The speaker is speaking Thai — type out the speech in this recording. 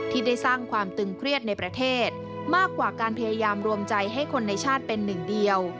ที่ได้สร้างความตึงเครียดในประเทศมากกว่าการพยายามรวมใจให้คนในชาติเป็นหนึ่งเดียว